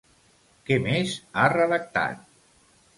Què més ha redactat?